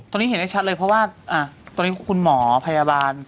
ตอนนี้เห็นได้ชัดเลยเพราะว่าตอนนี้คุณหมอพยาบาล